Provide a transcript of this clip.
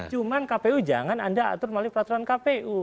cuman kpu jangan anda atur melalui peraturan kpu